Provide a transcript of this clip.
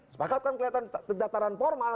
sepakat kan kelihatan dataran formal